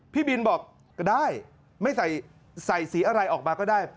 พี่บินบอกก็ได้ไม่ใส่สีอะไรออกมาก็ได้